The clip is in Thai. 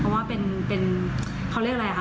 เพราะว่าเป็นเขาเรียกอะไรคะ